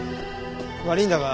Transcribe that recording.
悪いんだが。